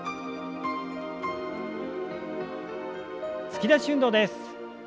突き出し運動です。